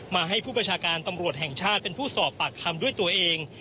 ให้ผู้ประชาการตำรวจแห่งชาติเป็นผู้สอบปากคำด้วยตัวเอง